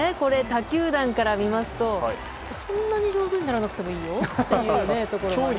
他球団から見ますとそんなに上手にならなくてもいいよという。